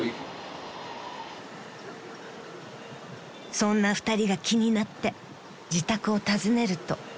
［そんな２人が気になって自宅を訪ねると］